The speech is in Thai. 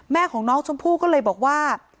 แม่ของน้องชมพู่ก็เลยบอกว่า